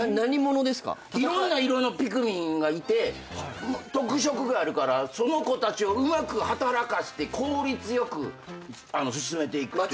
いろんな色のピクミンがいて特色があるからその子たちをうまく働かせて効率よく進めていくっていうか。